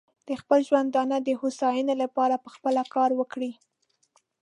د خپل ژوندانه د هوساینې لپاره پخپله کار وکړي.